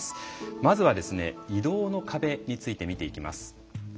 まずは移動の壁について見ていきます。